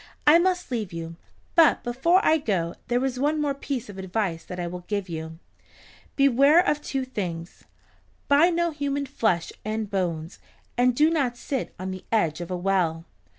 I must leave you, but before I go there is one more piece of advice that I will give you. Beware of two things. Buy no human flesh and bones, and do not sit on the edge of a well."